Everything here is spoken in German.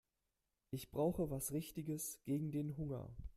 Ich brauche was Richtiges gegen den Hunger.